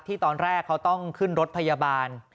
ตอนแรกเขาต้องขึ้นรถพยาบาล